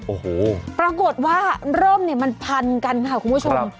โอ้โหปรากฏว่าร่มเนี่ยมันพันกันค่ะคุณผู้ชม